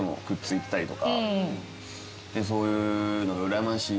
そういうの。